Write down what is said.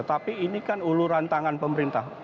tapi ini kan uluran tangan pemerintah